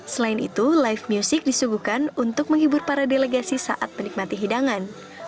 selain itu live music disuguhkan untuk menghibur para delegasi saat menikmati hidangan